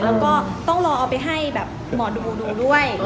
แล้วก็ต้องรอเอาไปให้แบบหมอดูดูด้วย